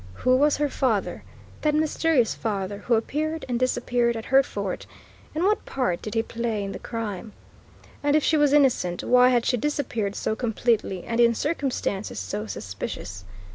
Who was her father that mysterious father who appeared and disappeared at Hertford, and what part did he play in the crime? And if she was innocent, why had she disappeared so completely and in circumstances so suspicious?